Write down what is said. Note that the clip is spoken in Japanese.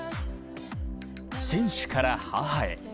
選手から母へ。